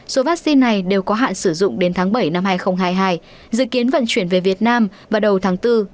số vaccine này đều có hạn sử dụng đến tháng bảy năm hai nghìn hai mươi hai dự kiến vận chuyển về việt nam vào đầu tháng bốn